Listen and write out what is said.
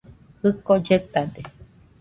Jɨko lletade.